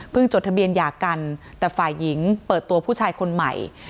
จดทะเบียนหย่ากันแต่ฝ่ายหญิงเปิดตัวผู้ชายคนใหม่